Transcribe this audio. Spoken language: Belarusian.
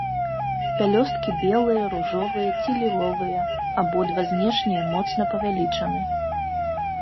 Пялёсткі белыя, ружовыя ці ліловыя, абодва знешнія моцна павялічаны.